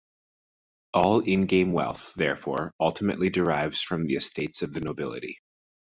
All in-game wealth, therefore, ultimately derives from the estates of the nobility.